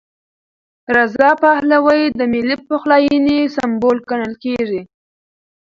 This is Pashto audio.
رضا پهلوي د ملي پخلاینې سمبول ګڼل کېږي.